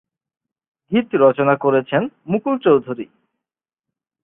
গীত রচনা করেছেন মুকুল চৌধুরী।